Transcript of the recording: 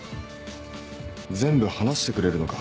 全部話してくれるのか？